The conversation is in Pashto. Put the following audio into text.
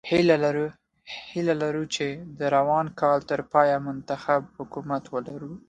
هیله لرو چې د روان کال تر پایه منتخب حکومت ولرو.